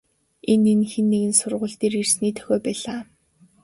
Энэ нь хэн нэгэн сургууль дээр ирсний дохио байлаа.